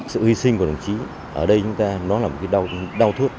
sự hy sinh của đồng chí ở đây chúng ta nó là một cái đau thước